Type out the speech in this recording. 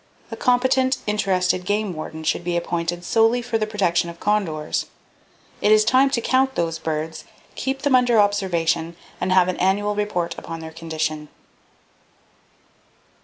A competent, interested game warden should be appointed solely for the protection of the condors. It is time to count those birds, keep them under observation, and have an annual report upon their condition.